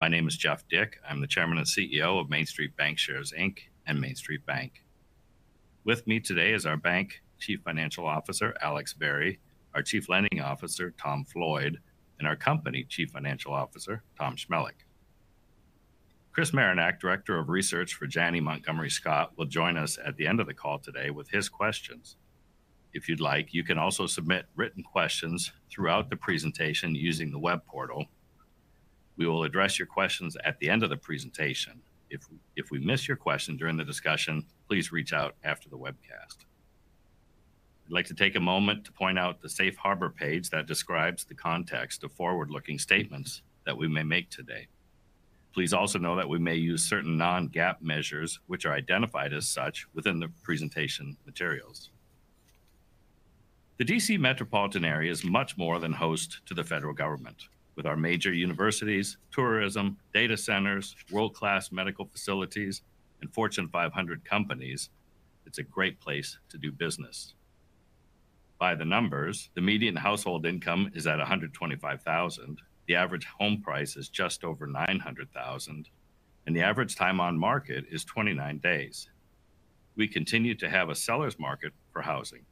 My name is Jeff Dick. I'm the Chairman and CEO of MainStreet Bancshares, Inc., and MainStreet Bank. With me today is our bank Chief Financial Officer, Alex Vari, our Chief Lending Officer, Tom Floyd, and our company Chief Financial Officer, Tom Chmelick. Chris Marinac, Director of Research for Janney Montgomery Scott, will join us at the end of the call today with his questions. If you'd like, you can also submit written questions throughout the presentation using the web portal. We will address your questions at the end of the presentation. If we miss your question during the discussion, please reach out after the webcast. I'd like to take a moment to point out the Safe Harbor page that describes the context of forward-looking statements that we may make today. Please also know that we may use certain non-GAAP measures, which are identified as such within the presentation materials. The D.C. metropolitan area is much more than host to the federal government. With our major universities, tourism, data centers, world-class medical facilities, and Fortune 500 companies, it's a great place to do business. By the numbers, the median household income is at $125,000. The average home price is just over $900,000, and the average time on market is 29 days. We continue to have a seller's market for housing.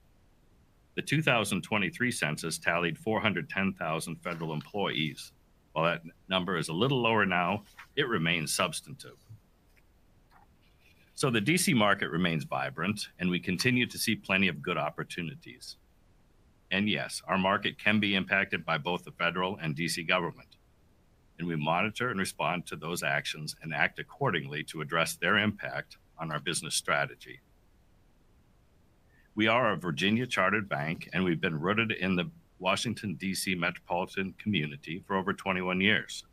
The 2023 census tallied 410,000 federal employees. While that number is a little lower now, it remains substantive. The D.C. market remains vibrant, and we continue to see plenty of good opportunities. Yes, our market can be impacted by both the federal and D.C. government, and we monitor and respond to those actions and act accordingly to address their impact on our business strategy. We are a Virginia-chartered bank, and we've been rooted in the Washington, D.C. Metropolitan community for over 21 years.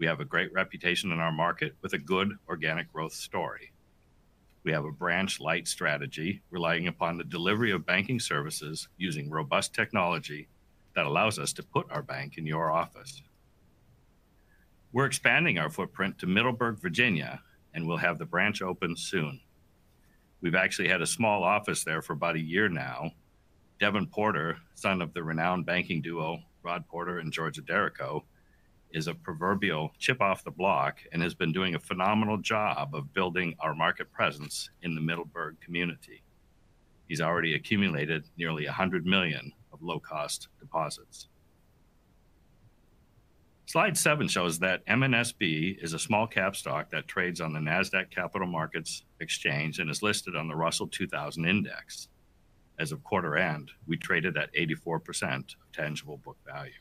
We have a great reputation in our market with a good organic growth story. We have a branch-light strategy relying upon the delivery of banking services using robust technology that allows us to put our bank in your office. We're expanding our footprint to Middleburg, Virginia, and will have the branch open soon. We've actually had a small office there for about a year now. Devon Porter, son of the renowned banking duo, Rod Porter and Georgia Derrico, is a proverbial chip off the block and has been doing a phenomenal job of building our market presence in the Middleburg community. He's already accumulated nearly $100 million of low-cost deposits. Slide 7 shows that MNSB is a small-cap stock that trades on the Nasdaq Capital Market and is listed on the Russell 2000 index. As of quarter end, we traded at 84% tangible book value.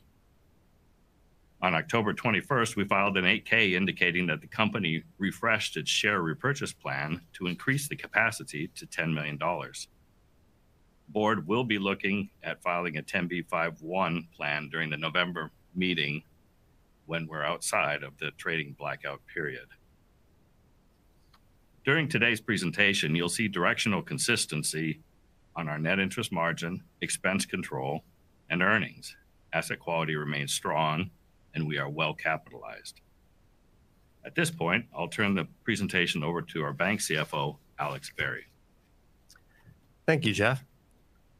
On October 21st, we filed an 8-K indicating that the company refreshed its share repurchase plan to increase the capacity to $10 million. The Board will be looking at filing a 10b5-1 plan during the November meeting when we're outside of the trading blackout period. During today's presentation, you'll see directional consistency on our net interest margin, expense control, and earnings. Asset quality remains strong, and we are well capitalized. At this point, I'll turn the presentation over to our Bank CFO, Alex Vari. Thank you, Jeff.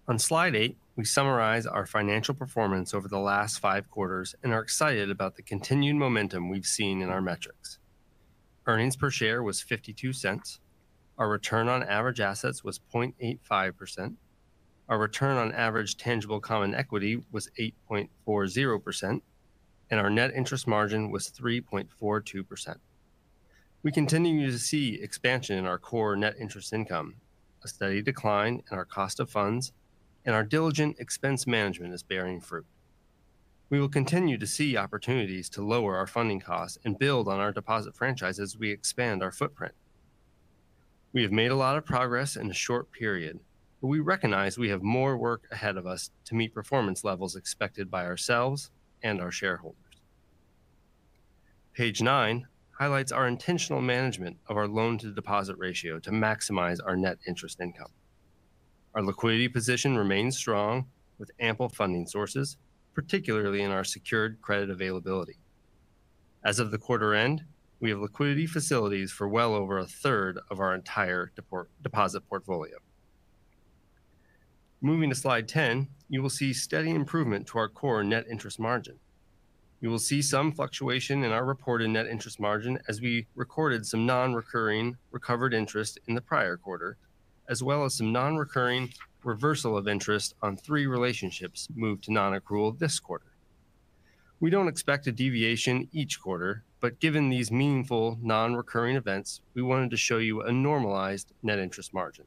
On slide 8, we summarize our financial performance over the last five quarters and are excited about the continued momentum we've seen in our metrics. Earnings per share was $0.52. Our return on average assets was 0.85%. Our return on average tangible common equity was 8.40%, and our net interest margin was 3.42%. We continue to see expansion in our core net interest income, a steady decline in our cost of funds, and our diligent expense management is bearing fruit. We will continue to see opportunities to lower our funding costs and build on our deposit franchise as we expand our footprint. We have made a lot of progress in a short period, but we recognize we have more work ahead of us to meet performance levels expected by ourselves and our shareholders. Page 9 highlights our intentional management of our loan-to-deposit ratio to maximize our net interest income. Our liquidity position remains strong with ample funding sources, particularly in our secured credit availability. As of the quarter end, we have liquidity facilities for well over a third of our entire deposit portfolio. Moving to slide 10, you will see steady improvement to our core net interest margin. You will see some fluctuation in our reported net interest margin as we recorded some non-recurring recovered interest in the prior quarter, as well as some non-recurring reversal of interest on three relationships moved to non-accrual this quarter. We don't expect a deviation each quarter, but given these meaningful non-recurring events, we wanted to show you a normalized net interest margin.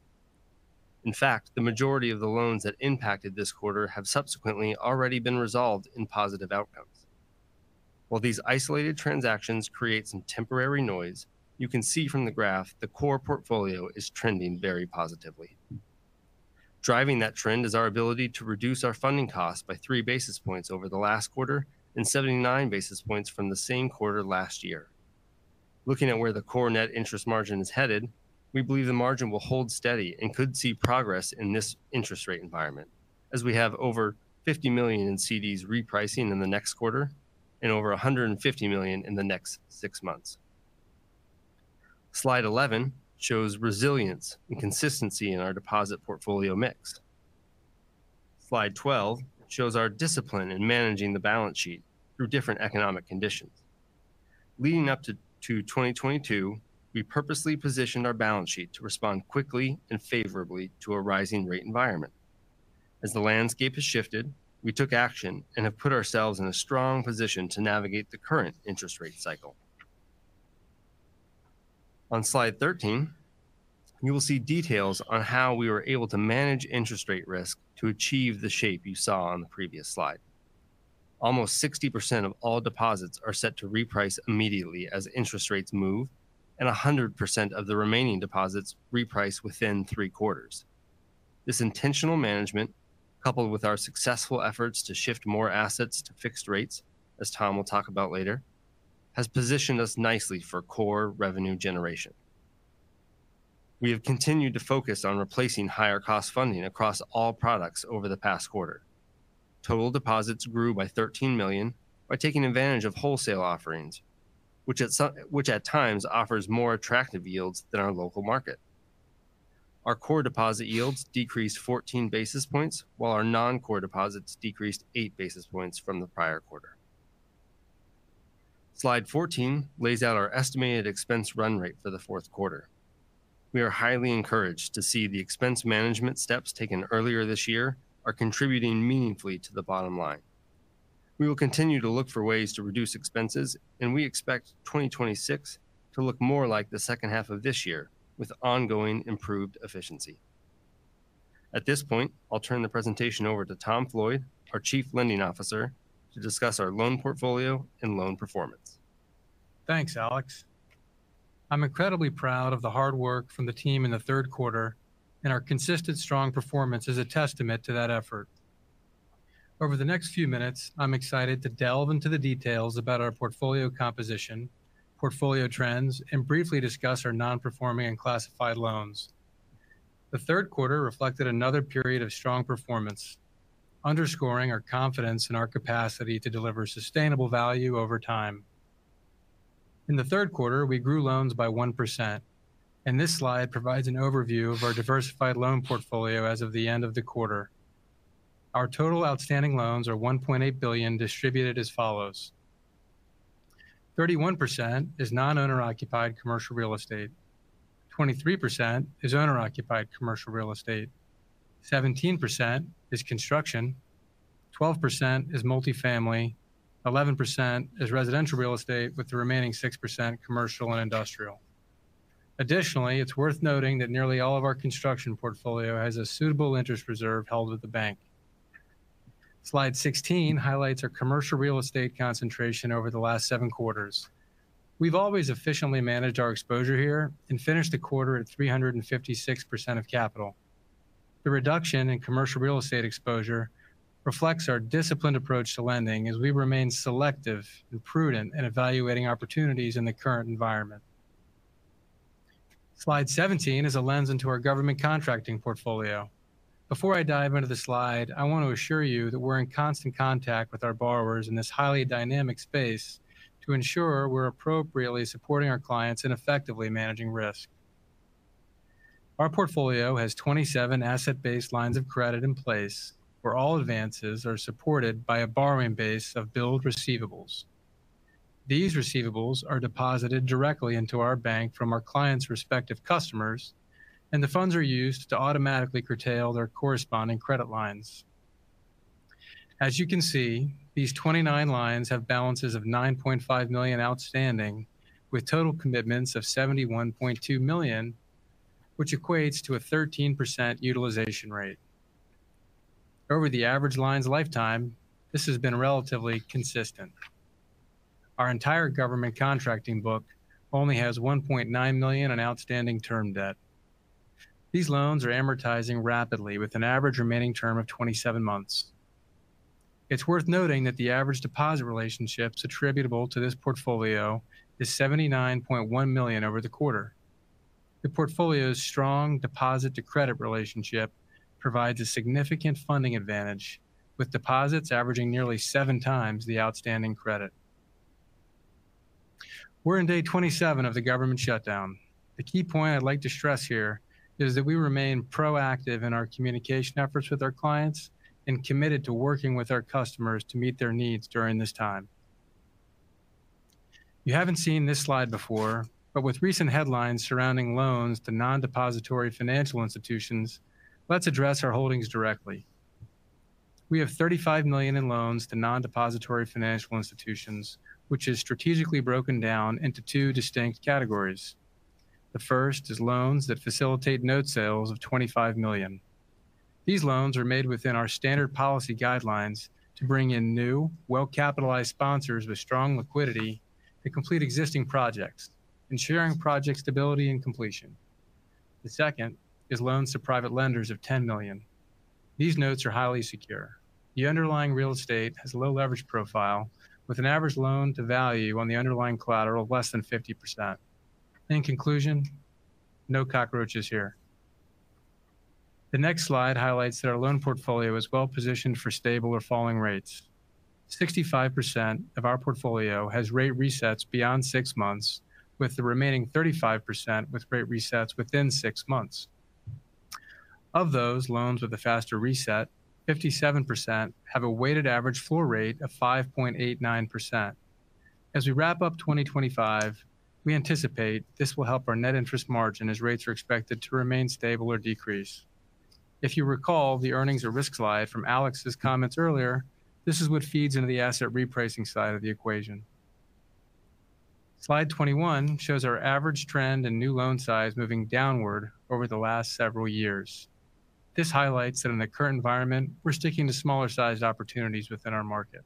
In fact, the majority of the loans that impacted this quarter have subsequently already been resolved in positive outcomes. While these isolated transactions create some temporary noise, you can see from the graph the core portfolio is trending very positively. Driving that trend is our ability to reduce our funding costs by 3 basis points over the last quarter and 79 basis points from the same quarter last year. Looking at where the core net interest margin is headed, we believe the margin will hold steady and could see progress in this interest rate environment as we have over $50 million in CDs repricing in the next quarter and over $150 million in the next six months. Slide 11 shows resilience and consistency in our deposit portfolio mix. Slide 12 shows our discipline in managing the balance sheet through different economic conditions. Leading up to 2022, we purposely positioned our balance sheet to respond quickly and favorably to a rising rate environment. As the landscape has shifted, we took action and have put ourselves in a strong position to navigate the current interest rate cycle. On Slide 13, you will see details on how we were able to manage interest rate risk to achieve the shape you saw on the previous slide. Almost 60% of all deposits are set to reprice immediately as interest rates move, and 100% of the remaining deposits reprice within three quarters. This intentional management, coupled with our successful efforts to shift more assets to fixed rates, as Tom will talk about later, has positioned us nicely for core revenue generation. We have continued to focus on replacing higher cost funding across all products over the past quarter. Total deposits grew by $13 million by taking advantage of wholesale offerings, which at times offers more attractive yields than our local market. Our core deposit yields decreased 14 basis points while our non-core deposits decreased 8 basis points from the prior quarter. Slide 14 lays out our estimated expense run rate for the fourth quarter. We are highly encouraged to see the expense management steps taken earlier this year are contributing meaningfully to the bottom line. We will continue to look for ways to reduce expenses, and we expect 2026 to look more like the second half of this year, with ongoing improved efficiency. At this point, I'll turn the presentation over to Thomas Floyd, our Chief Lending Officer, to discuss our loan portfolio and loan performance. Thanks, Alex. I'm incredibly proud of the hard work from the team in the third quarter, and our consistent strong performance is a testament to that effort. Over the next few minutes, I'm excited to delve into the details about our portfolio composition, portfolio trends, and briefly discuss our non-performing and classified loans. The third quarter reflected another period of strong performance, underscoring our confidence in our capacity to deliver sustainable value over time. In the third quarter, we grew loans by 1%, and this slide provides an overview of our diversified loan portfolio as of the end of the quarter. Our total outstanding loans are $1.8 billion distributed as follows. 31% is non-owner occupied commercial real estate. 23% is owner occupied commercial real estate. 17% is construction. 12% is multifamily. 11% is residential real estate with the remaining 6% commercial and industrial. Additionally, it's worth noting that nearly all of our construction portfolio has a suitable interest reserve held with the bank. Slide 16 highlights our commercial real estate concentration over the last seven quarters. We've always efficiently managed our exposure here and finished the quarter at 356% of capital. The reduction in commercial real estate exposure reflects our disciplined approach to lending as we remain selective and prudent in evaluating opportunities in the current environment. Slide 17 is a lens into our government contracting portfolio. Before I dive into the slide, I want to assure you that we're in constant contact with our borrowers in this highly dynamic space to ensure we're appropriately supporting our clients in effectively managing risk. Our portfolio has 27 asset-based lines of credit in place, where all advances are supported by a borrowing base of billed receivables. These receivables are deposited directly into our bank from our clients' respective customers, and the funds are used to automatically curtail their corresponding credit lines. As you can see, these 29 lines have balances of $9.5 million outstanding, with total commitments of $71.2 million, which equates to a 13% utilization rate. Over the average line's lifetime, this has been relatively consistent. Our entire government contracting book only has $1.9 million in outstanding term debt. These loans are amortizing rapidly with an average remaining term of 27 months. It's worth noting that the average deposit relationships attributable to this portfolio is $79.1 million over the quarter. The portfolio's strong deposit to credit relationship provides a significant funding advantage, with deposits averaging nearly seven times the outstanding credit. We're in day 27 of the government shutdown. The key point I'd like to stress here is that we remain proactive in our communication efforts with our clients and committed to working with our customers to meet their needs during this time. You haven't seen this slide before, but with recent headlines surrounding loans to non-depository financial institutions, let's address our holdings directly. We have $35 million in loans to non-depository financial institutions, which is strategically broken down into two distinct categories. The first is loans that facilitate note sales of $25 million. These loans are made within our standard policy guidelines to bring in new, well-capitalized sponsors with strong liquidity to complete existing projects, ensuring project stability and completion. The second is loans to private lenders of $10 million. These notes are highly secure. The underlying real estate has a low leverage profile with an average loan to value on the underlying collateral less than 50%. In conclusion, no cockroaches here. The next slide highlights that our loan portfolio is well-positioned for stable or falling rates. 65% of our portfolio has rate resets beyond six months, with the remaining 35% with rate resets within six months. Of those loans with a faster reset, 57% have a weighted average floor rate of 5.89%. As we wrap up 2025, we anticipate this will help our net interest margin as rates are expected to remain stable or decrease. If you recall, the earnings-at-risk slide from Alex's comments earlier, this is what feeds into the asset repricing side of the equation. Slide 21 shows our average trend in new loan size moving downward over the last several years. This highlights that in the current environment, we're sticking to smaller-sized opportunities within our market.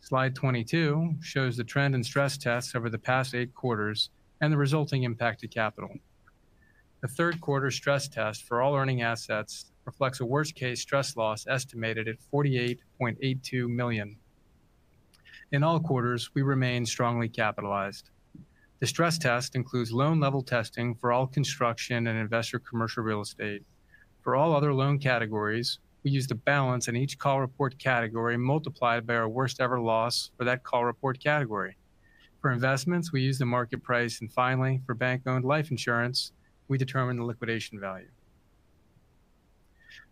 Slide 22 shows the trend in stress tests over the past eight quarters and the resulting impact to capital. The third quarter stress test for all earning assets reflects a worst-case stress loss estimated at $48.82 million. In all quarters, we remain strongly capitalized. The stress test includes loan level testing for all construction and investor commercial real estate. For all other loan categories, we use the balance in each call report category multiplied by our worst ever loss for that call report category. For investments, we use the market price, and finally, for bank-owned life insurance, we determine the liquidation value.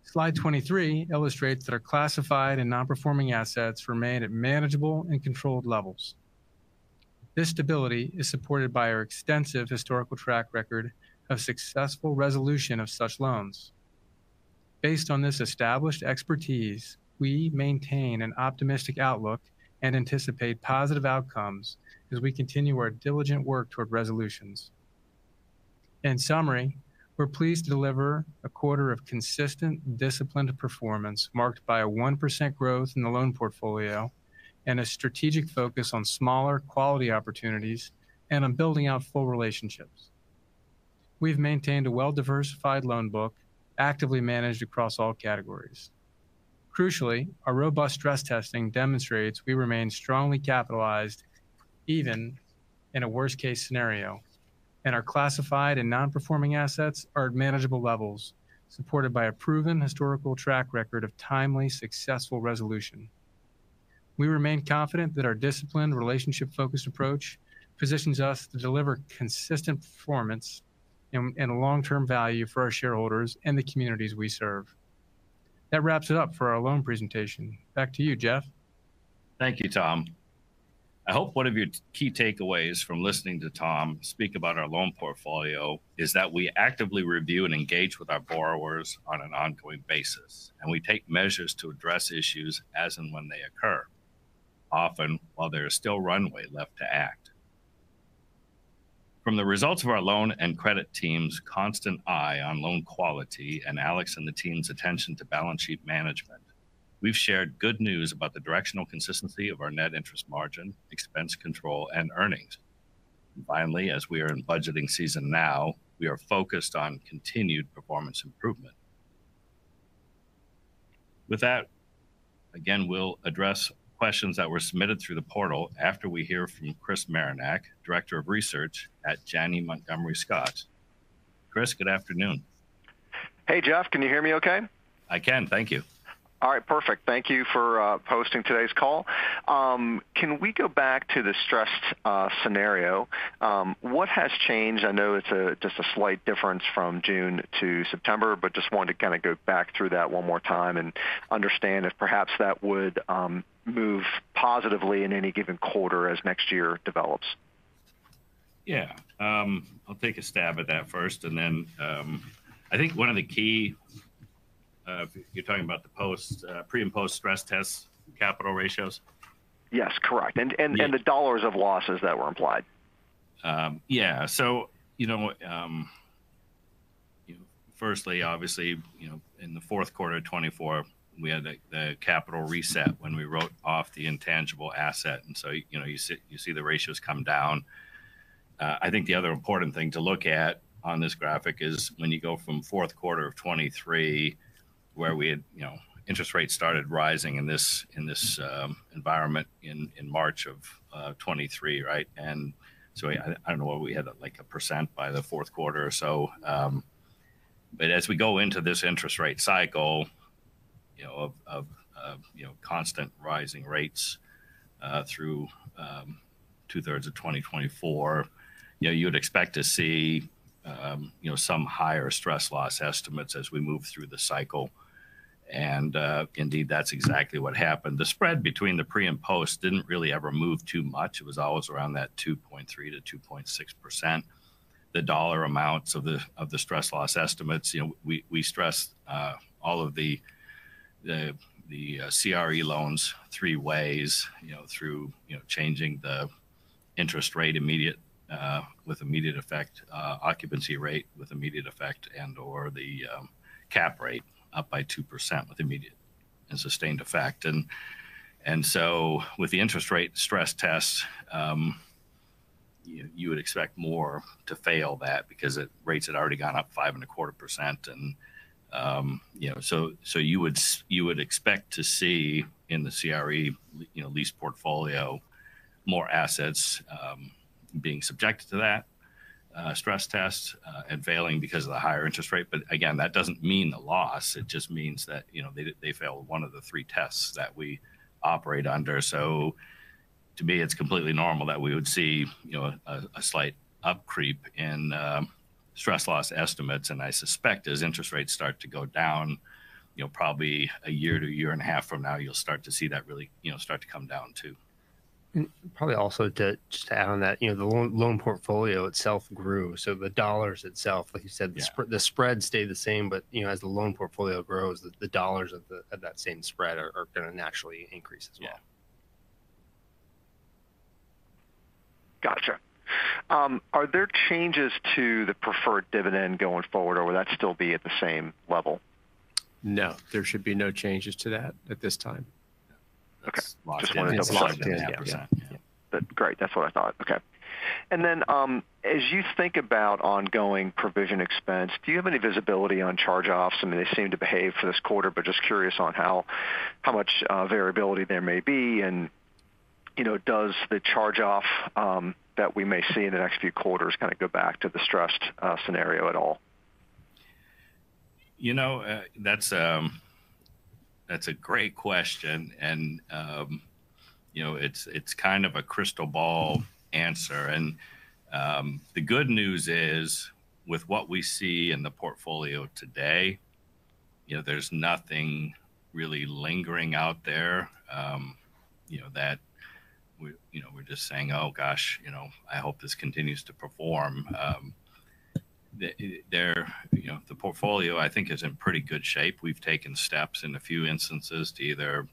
Slide 23 illustrates that our classified and non-performing assets remain at manageable and controlled levels. This stability is supported by our extensive historical track record of successful resolution of such loans. Based on this established expertise, we maintain an optimistic outlook and anticipate positive outcomes as we continue our diligent work toward resolutions. In summary, we're pleased to deliver a quarter of consistent, disciplined performance marked by a 1% growth in the loan portfolio and a strategic focus on smaller quality opportunities and on building out full relationships. We've maintained a well-diversified loan book, actively managed across all categories. Crucially, our robust stress testing demonstrates we remain strongly capitalized even in a worst-case scenario, and our classified and non-performing assets are at manageable levels, supported by a proven historical track record of timely, successful resolution. We remain confident that our disciplined, relationship-focused approach positions us to deliver consistent performance and a long-term value for our shareholders and the communities we serve. That wraps it up for our loan presentation. Back to you, Jeff. Thank you, Tom. I hope one of your key takeaways from listening to Tom speak about our loan portfolio is that we actively review and engage with our borrowers on an ongoing basis, and we take measures to address issues as and when they occur, often while there is still runway left to act. From the results of our loan and credit team's constant eye on loan quality and Alex and the team's attention to balance sheet management, we've shared good news about the directional consistency of our net interest margin, expense control, and earnings. Finally, as we are in budgeting season now, we are focused on continued performance improvement. With that, again, we'll address questions that were submitted through the portal after we hear from Chris Marinac, Director of Research at Janney Montgomery Scott. Chris, good afternoon. Hey, Jeff. Can you hear me okay? I can. Thank you. All right. Perfect. Thank you for posting today's call. Can we go back to the stress scenario? What has changed? I know it's just a slight difference from June to September, but just wanted to kind of go back through that one more time and understand if perhaps that would move positively in any given quarter as next year develops. Yeah. I'll take a stab at that first and then you're talking about the pre- and post-stress test capital ratios? Yes, correct. Yes. The dollars of losses that were implied. Yeah. Firstly, obviously, in the fourth quarter of 2024, we had the capital reset when we wrote off the intangible asset. You see the ratios come down. I think the other important thing to look at on this graphic is when you go from fourth quarter of 2023, where interest rates started rising in this environment in March of 2023, right? I don't know, we had 5% by the fourth quarter or so. As we go into this interest rate cycle of constant rising rates through two-thirds of 2024, you'd expect to see some higher stress loss estimates as we move through the cycle. Indeed, that's exactly what happened. The spread between the pre- and post- didn't really ever move too much. It was always around that 2.3%-2.6%. The dollar amounts of the stress loss estimates. We stressed all of the CRE loans three ways through changing the interest rate with immediate effect, occupancy rate with immediate effect, and/or the cap rate up by 2% with immediate and sustained effect. With the interest rate stress tests, you would expect more to fail that because rates had already gone up 5.25%. You would expect to see in the CRE lease portfolio, more assets being subjected to that stress test and failing because of the higher interest rate. Again, that doesn't mean a loss. It just means that they failed one of the three tests that we operate under. To me, it's completely normal that we would see a slight up creep in stress loss estimates. I suspect as interest rates start to go down, probably a year to a year and a half from now, you'll start to see that really start to come down too. Probably also just to add on that, the loan portfolio itself grew. The dollars itself, like you said. Yeah The spread stayed the same, but as the loan portfolio grows, the dollars of that same spread are going to naturally increase as well. Yeah. Got you. Are there changes to the preferred dividend going forward, or will that still be at the same level? No, there should be no changes to that at this time. Okay. It's locked in at 10%. Yeah. Great. That's what I thought. Okay. As you think about ongoing provision expense, do you have any visibility on charge-offs? I mean, they seem to behave for this quarter, but just curious on how much variability there may be, and does the charge-off that we may see in the next few quarters kind of go back to the stressed scenario at all? That's a great question, and it's kind of a crystal ball answer. The good news is, with what we see in the portfolio today, there's nothing really lingering out there that we're just saying, "Oh, gosh, I hope this continues to perform." The portfolio, I think, is in pretty good shape. We've taken steps in a few instances to either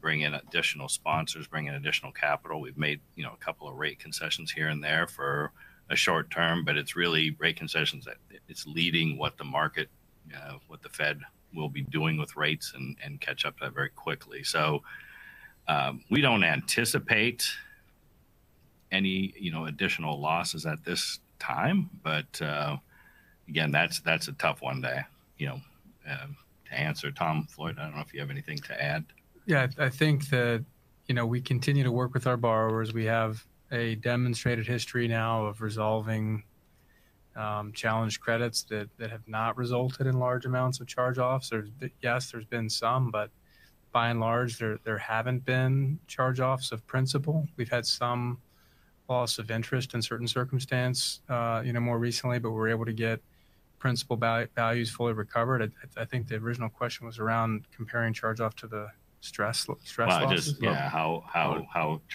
bring in additional sponsors, bring in additional capital. We've made a couple of rate concessions here and there for a short term, but it's really rate concessions that it's leading what the market, what the Fed will be doing with rates and catch up to that very quickly. We don't anticipate any additional losses at this time. Again that's a tough one to answer. Tom Floyd, I don't know if you have anything to add. Yeah, I think that we continue to work with our borrowers. We have a demonstrated history now of resolving challenged credits that have not resulted in large amounts of charge-offs. Yes, there's been some, but by and large, there haven't been charge-offs of principal. We've had some loss of interest in certain circumstances more recently, but we're able to get principal values fully recovered. I think the original question was around comparing charge-off to the stress loss as well. Yeah. How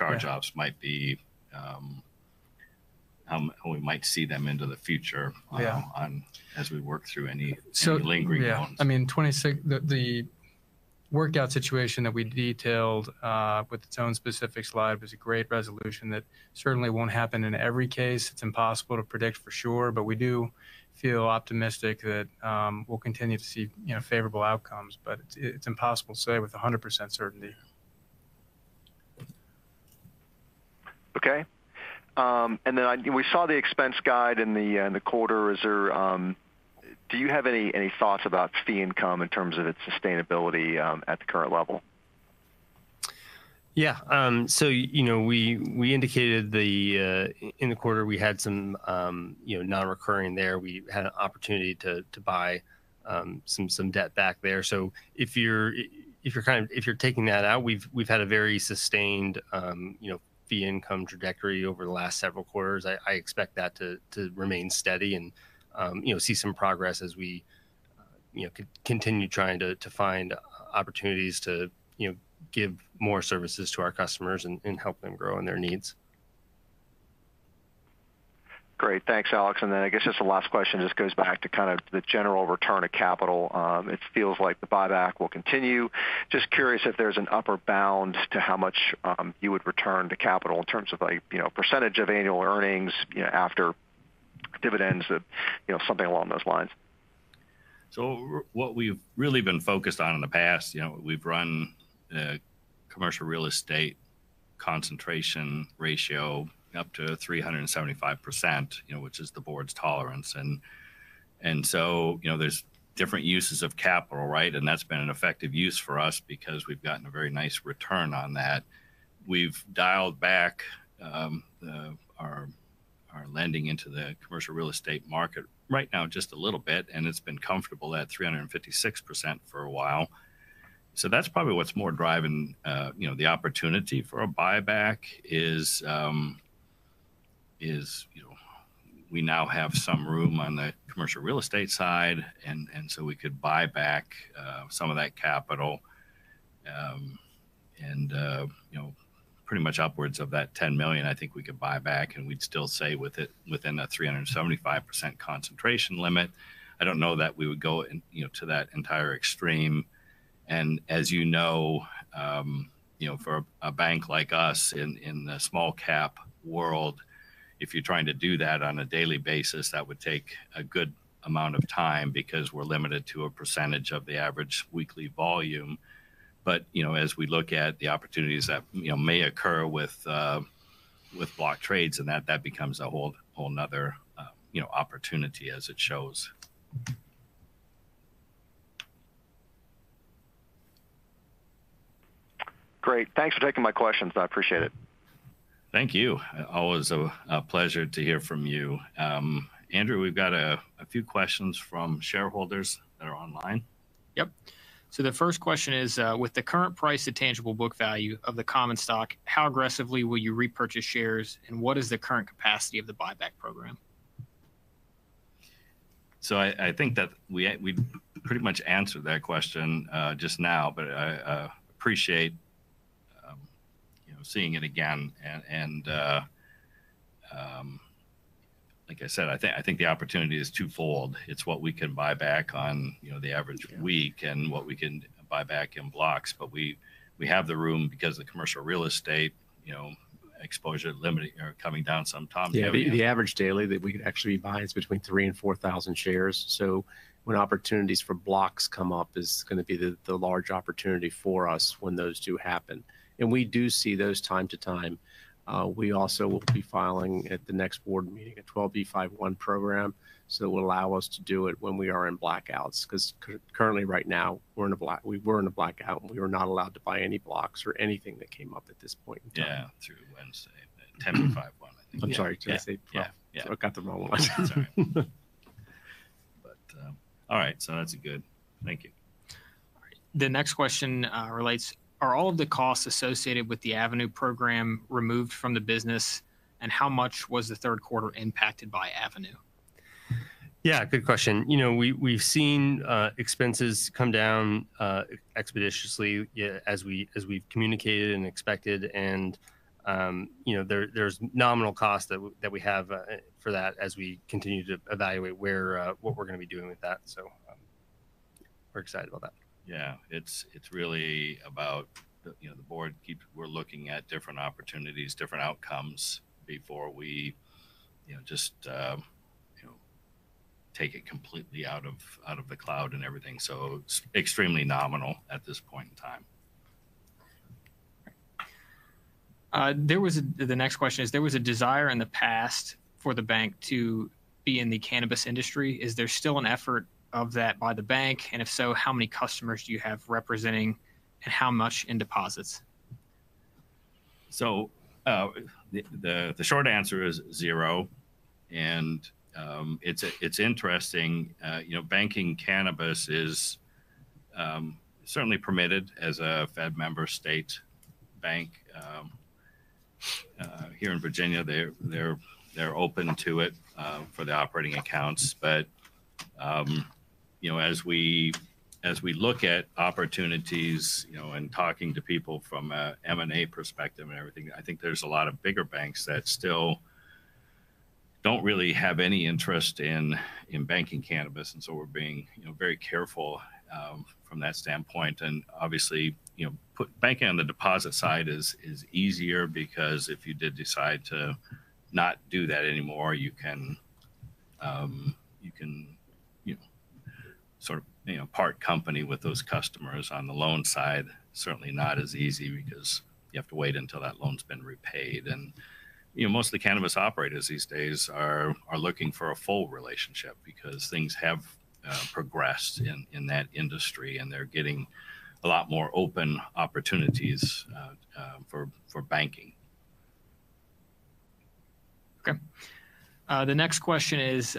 we might see them into the future? Yeah. As we work through any lingering loans. Yeah. The workout situation that we detailed with its own specific slide was a great resolution that certainly won't happen in every case. It's impossible to predict for sure, but we do feel optimistic that we'll continue to see favorable outcomes. It's impossible to say with 100% certainty. Okay. We saw the expense guide in the quarter. Do you have any thoughts about fee income in terms of its sustainability at the current level? Yeah. We indicated in the quarter we had some non-recurring there. We had an opportunity to buy some debt back there. If you're taking that out, we've had a very sustained fee income trajectory over the last several quarters. I expect that to remain steady and see some progress as we continue trying to find opportunities to give more services to our customers and help them grow in their needs. Great. Thanks, Alex. I guess just the last question just goes back to kind of the general return of capital. It feels like the buyback will continue. Just curious if there's an upper bound to how much you would return to capital in terms of a percentage of annual earnings after dividends, something along those lines. What we've really been focused on in the past, we've run commercial real estate concentration ratio up to 375%, which is the board's tolerance. There's different uses of capital. That's been an effective use for us because we've gotten a very nice return on that. We've dialed back our lending into the commercial real estate market right now just a little bit, and it's been comfortable at 356% for a while. That's probably what's more driving the opportunity for a buyback is we now have some room on the commercial real estate side, and so we could buy back some of that capital. Pretty much upwards of that $10 million, I think we could buy back, and we'd still say within that 375% concentration limit. I don't know that we would go to that entire extreme. As you know, for a bank like us in the small-cap world, if you're trying to do that on a daily basis, that would take a good amount of time because we're limited to a percentage of the average weekly volume. As we look at the opportunities that may occur with block trades and that becomes a whole another opportunity as it shows. Great. Thanks for taking my questions. I appreciate it. Thank you. Always a pleasure to hear from you. Andrew, we've got a few questions from shareholders that are online. Yep. The first question is, with the current price to tangible book value of the common stock, how aggressively will you repurchase shares and what is the current capacity of the buyback program? I think that we pretty much answered that question just now, but I appreciate seeing it again. Like I said, I think the opportunity is twofold. It's what we can buy back on the average week and what we can buy back in blocks. We have the room because the commercial real estate exposure coming down sometimes. Yeah. The average daily that we could actually buy is between 3,000 and 4,000 shares. When opportunities for blocks come up, it's going to be the large opportunity for us when those do happen. We do see those from time to time. We also will be filing at the next board meeting a 10b5-1 program, so it will allow us to do it when we are in blackouts, because currently right now we were in a blackout and we were not allowed to buy any blocks or anything that came up at this point in time. Yeah, through Wednesday. The 10b5-1, I think. I'm sorry, Tuesday. Yeah. Yeah. I got them all mixed. All right. That's good. Thank you. All right. The next question relates to, Are all of the costs associated with the Avenu program removed from the business, and how much was the third quarter impacted by Avenu? Yeah, good question. We've seen expenses come down expeditiously as we've communicated and expected, and there's nominal cost that we have for that as we continue to evaluate what we're going to be doing with that. We're excited about that. Yeah. It's really about the board. We're looking at different opportunities, different outcomes before we just take it completely out of the cloud and everything. It's extremely nominal at this point in time. The next question is, there was a desire in the past for the bank to be in the cannabis industry. Is there still an effort of that by the bank? If so, how many customers do you have representing and how much in deposits? The short answer is zero. It's interesting. Banking cannabis is certainly permitted as a Fed member state bank here in Virginia. They're open to it for the operating accounts. As we look at opportunities and talking to people from M&A perspective and everything, I think there's a lot of bigger banks that still don't really have any interest in banking cannabis, and so we're being very careful from that standpoint. Obviously, banking on the deposit side is easier because if you did decide to not do that anymore, you can part company with those customers. On the loan side, certainly not as easy because you have to wait until that loan's been repaid. Mostly cannabis operators these days are looking for a full relationship because things have progressed in that industry and they're getting a lot more open opportunities for banking. Okay. The next question is,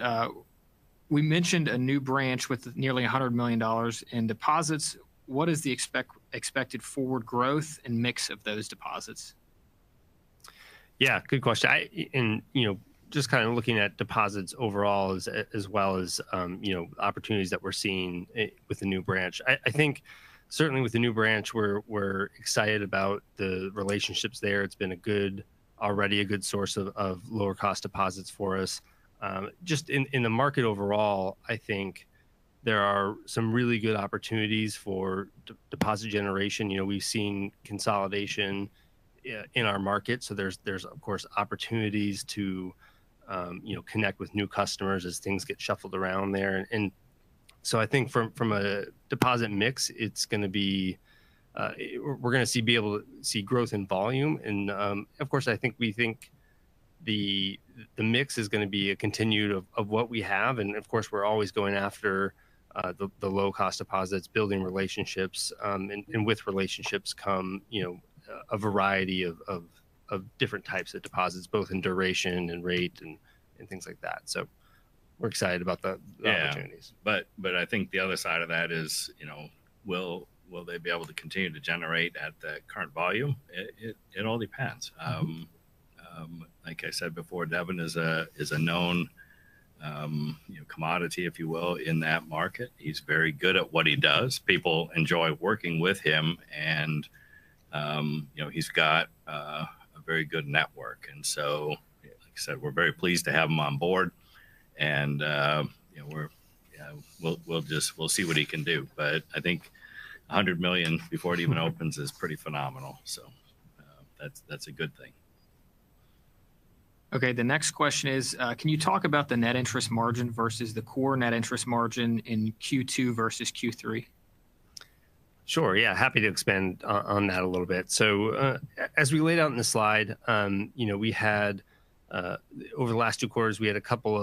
we mentioned a new branch with nearly $100 million in deposits. What is the expected forward growth and mix of those deposits? Yeah, good question. Just kind of looking at deposits overall, as well as opportunities that we're seeing with the new branch. I think certainly with the new branch, we're excited about the relationships there. It's been already a good source of lower cost deposits for us. Just in the market overall, I think there are some really good opportunities for deposit generation. We've seen consolidation in our market, so there's, of course, opportunities to connect with new customers as things get shuffled around there. I think from a deposit mix, we're going to be able to see growth in volume. Of course, I think we think the mix is going to be a continuation of what we have. Of course, we're always going after the low-cost deposits, building relationships. With relationships come a variety of different types of deposits, both in duration and rate and things like that. We're excited about the opportunities. Yeah. I think the other side of that is, will they be able to continue to generate at the current volume? It all depends. Like I said before, Devin is a known commodity, if you will, in that market. He's very good at what he does. People enjoy working with him and he's got a very good network. Like I said, we're very pleased to have him on board. We'll see what he can do. I think $100 million before it even opens is pretty phenomenal. That's a good thing. Okay. The next question is, can you talk about the net interest margin versus the core net interest margin in Q2 versus Q3? Sure. Yeah, happy to expand on that a little bit. As we laid out in the slide, over the last two quarters, we had a couple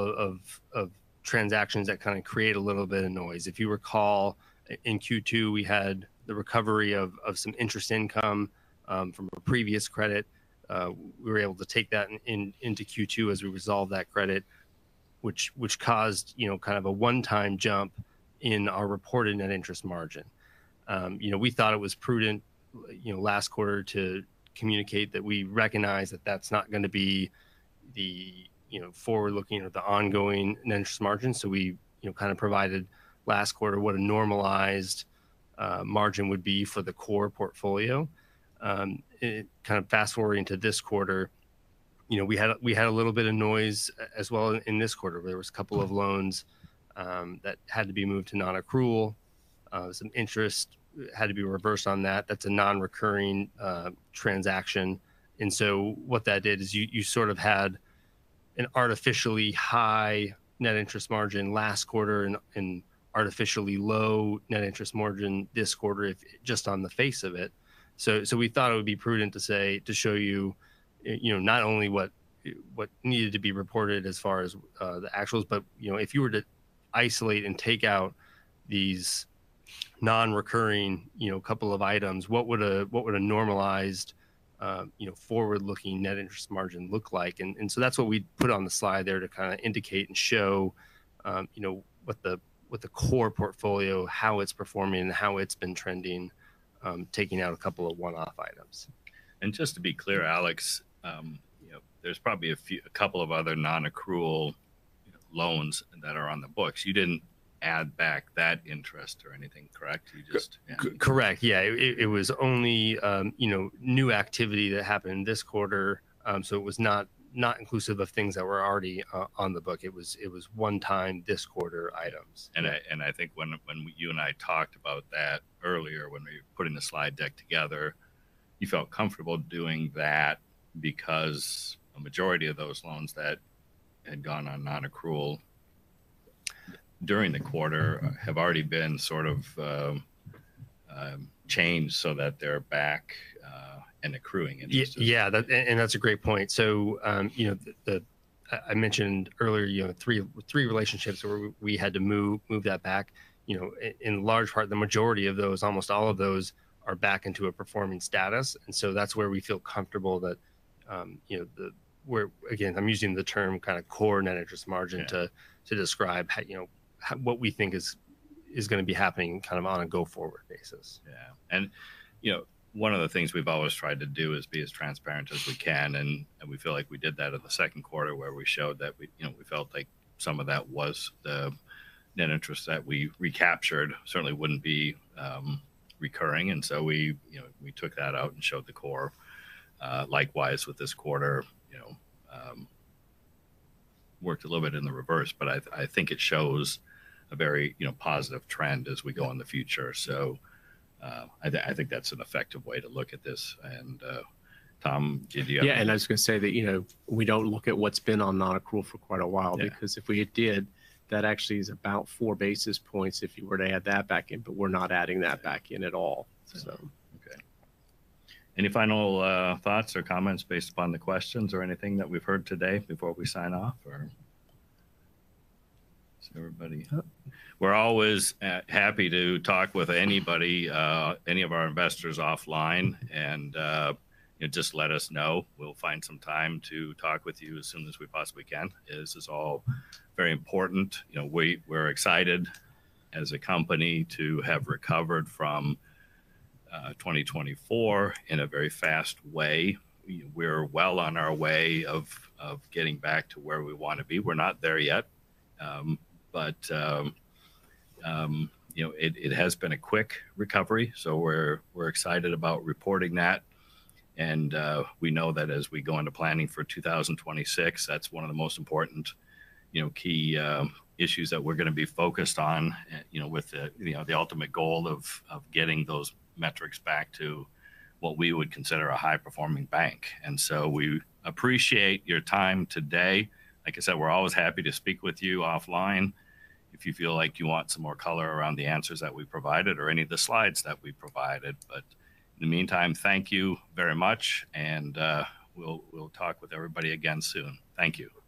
of transactions that kind of create a little bit of noise. If you recall, in Q2, we had the recovery of some interest income from a previous credit. We were able to take that into Q2 as we resolved that credit, which caused kind of a one-time jump in our reported net interest margin. We thought it was prudent, last quarter, to communicate that we recognize that that's not going to be forward-looking or the ongoing net interest margin. We kind of provided last quarter what a normalized margin would be for the core portfolio. Kind of fast-forwarding to this quarter, we had a little bit of noise as well in this quarter, where there was a couple of loans that had to be moved to non-accrual. Some interest had to be reversed on that. That's a non-recurring transaction. What that did is you sort of had an artificially high net interest margin last quarter and an artificially low net interest margin this quarter, just on the face of it. We thought it would be prudent to show you not only what needed to be reported as far as the actuals, but if you were to isolate and take out these non-recurring couple of items, what would a normalized, forward-looking net interest margin look like? That's what we put on the slide there to kind of indicate and show what the core portfolio, how it's performing, how it's been trending, taking out a couple of one-off items. Just to be clear, Alex, there's probably a couple of other non-accrual loans that are on the books. You didn't add back that interest or anything, correct? You just- Correct. Yeah. It was only new activity that happened this quarter. It was not inclusive of things that were already on the book. It was one-time this quarter items. I think when you and I talked about that earlier when we were putting the slide deck together, you felt comfortable doing that because a majority of those loans that had gone on non-accrual during the quarter have already been sort of changed so that they're back and accruing interest. Yeah. That's a great point. I mentioned earlier three relationships where we had to move that back. In large part, the majority of those, almost all of those are back into a performing status. That's where we feel comfortable where, again, I'm using the term kind of core net interest margin. To describe what we think is going to be happening kind of on a go-forward basis. Yeah. One of the things we've always tried to do is be as transparent as we can, and we feel like we did that in the second quarter, where we showed that we felt like some of that was the net interest that we recaptured certainly wouldn't be recurring. We took that out and showed the core. Likewise with this quarter, worked a little bit in the reverse, but I think it shows a very positive trend as we go in the future. I think that's an effective way to look at this. Tom, did you? Yeah, I was going to say that we don't look at what's been on non-accrual for quite a while. Yeah. Because if we did, that actually is about 4 basis points if you were to add that back in, but we're not adding that back in at all, so. Okay. Any final thoughts or comments based upon the questions or anything that we've heard today before we sign off? We're always happy to talk with anybody, any of our investors offline, and just let us know. We'll find some time to talk with you as soon as we possibly can, as this is all very important. We're excited as a company to have recovered from 2024 in a very fast way. We're well on our way of getting back to where we want to be. We're not there yet. It has been a quick recovery. We're excited about reporting that. We know that as we go into planning for 2026, that's one of the most important key issues that we're going to be focused on with the ultimate goal of getting those metrics back to what we would consider a high-performing bank. We appreciate your time today. Like I said, we're always happy to speak with you offline if you feel like you want some more color around the answers that we provided or any of the slides that we provided. In the meantime, thank you very much, and we'll talk with everybody again soon. Thank you.